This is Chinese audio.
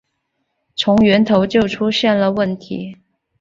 从源头就出了问题